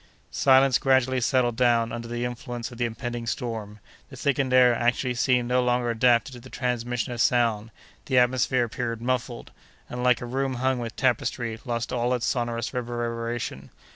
Silence gradually settled down under the influence of the impending storm: the thickened air actually seemed no longer adapted to the transmission of sound; the atmosphere appeared muffled, and, like a room hung with tapestry, lost all its sonorous reverberation.